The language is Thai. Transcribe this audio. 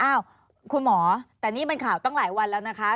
คุณหมอแต่นี่มันข่าวตั้งหลายวันแล้วนะคะ